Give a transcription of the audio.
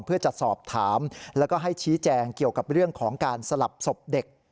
เพื่อจะสอบถามแล้วก็ให้ชี้แจงเกี่ยวกับเรื่องของการสลับศพเด็ก